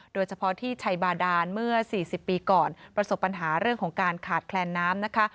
โดยเฉพาะที่ชัยบาดานเมื่อ๔๐ปีก่อนประสบปัญหาเรื่องของการขาดแคลนน้ำนะคะ